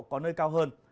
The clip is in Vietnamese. có nơi cao hơn